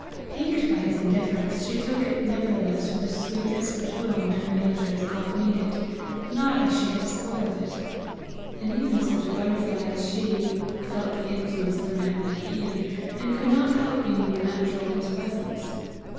Piqued by his indifference, she took it nevertheless with a sweetness which belonged to her nature as God made it, not as she had spoiled it; and even such a butterfly as she, felt the influence of a man like Ian, and could not help being more natural in his presence.